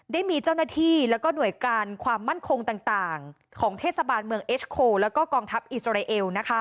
ได้มีเจ้าหน้าที่แล้วก็หน่วยการความมั่นคงต่างของเทศบาลเมืองเอสโคแล้วก็กองทัพอิสราเอล